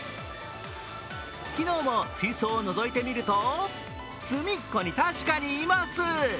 昨日も水槽をのぞいてみると隅っこに確かにいます。